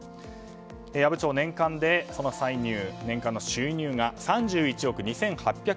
阿武町、年間の収入が３１億２８００万円。